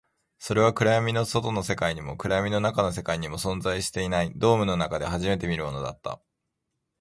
それは暗闇の外の世界にも、暗闇の中の世界にも存在していない、ドームの中で初めて見るものだった